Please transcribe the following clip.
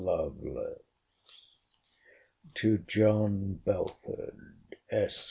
LOVELACE, TO JOHN BELFORD, ESQ.